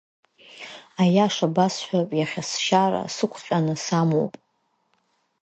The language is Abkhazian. Аиаша басҳәап, иахьа сшьара сықәҟьаны самоуп!